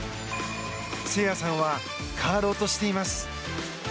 誠也さんは変わろうとしています。